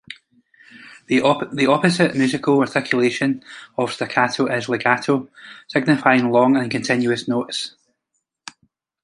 The opposite musical articulation of staccato is legato, signifying long and continuous notes.